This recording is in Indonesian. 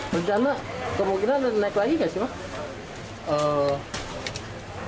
bentangnya kemungkinan naik lagi nggak sih pak